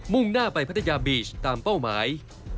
่งหน้าไปพัทยาบีชตามเป้าหมาย